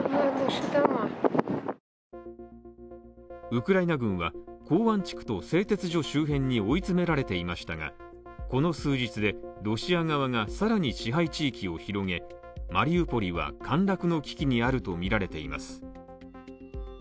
ウクライナ軍は港湾地区と製鉄所周辺に追い詰められていましたがこの数日で、ロシア側が更に支配地域を広げマリウポリは陥落の危機にあるとみられています。